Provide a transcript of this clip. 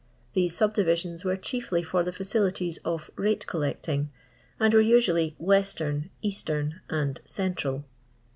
These subdivisions were chiefly for the facilities of mte collecting, and were usually " western," "east em,*' nnd "central."